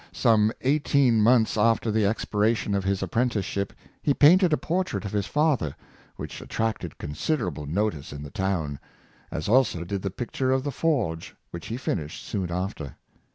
Some eighteen months after the expiration of his ap prenticeship he painted a portrait of his father, which attracted considerable notice in the town; as also did the picture of '' The Forge," which he finished soon after.